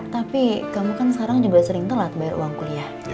tapi kamu kan sekarang juga sering telat bayar uang kuliah